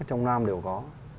trong nam đều có